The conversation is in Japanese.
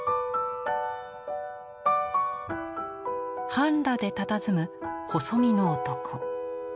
半裸でたたずむ細身の男。